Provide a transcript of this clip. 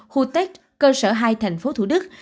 khu tết cơ sở hai tp thủ đức